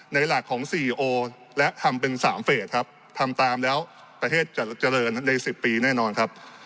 หลักของ๔โอและทำเป็น๓เฟสครับทำตามแล้วประเทศจะเจริญใน๑๐ปีแน่นอนครับ